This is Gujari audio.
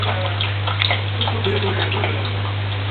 کُتو ک